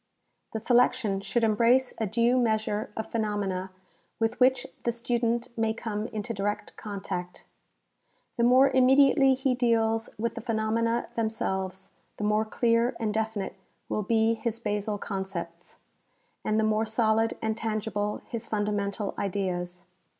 The selection should embrace a due measure of phenomena with which the student may come into direct contact. The (154) Union of the Disciplinary and the Useful. 155 more immediately he deals with the phenomena themselves, the more clear and definite will be his basal conce]3ts, and the more solid and tangible his fundamental ideas.